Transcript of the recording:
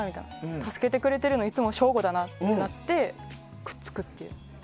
助けてくれているのいつも省吾だなってなってくっつくっていう。